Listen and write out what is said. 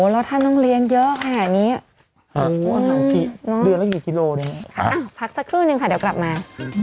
แล้วท่านต้องเรียงเยอะค่ะอันนี้๙ฟังกิโลกินชาติครับผักสักครู่นึงค่ะเดี๋ยวกลับมา